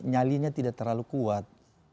nyalinya tidak terlalu kuat